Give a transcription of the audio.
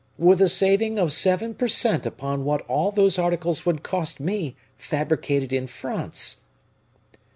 with a saving of seven per cent upon what all those articles would cost me fabricated in France."